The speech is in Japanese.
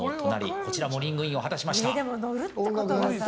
こちらもリングインを果たしました。